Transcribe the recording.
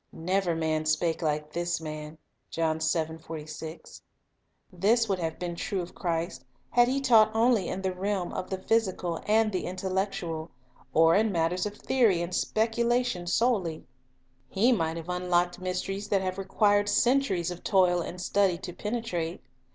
"Never man spake like this Man." 1 This would have been true of Christ had He taught only in the realm of the physical and the intellectual, or in mat ters of theory and speculation solely. He might have unlocked mysteries that have required centuries of toil and study to penetrate.